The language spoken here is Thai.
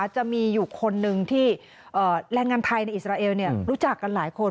จะมีอยู่คนหนึ่งที่แรงงานไทยในอิสราเอลรู้จักกันหลายคน